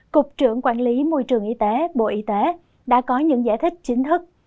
cục trưởng quản lý môi trường y tế bộ y tế đã có những giải thích chính thức